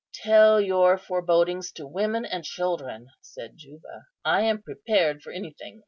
"Tell your forebodings to women and children," said Juba; "I am prepared for anything.